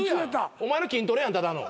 お前の筋トレやんただの。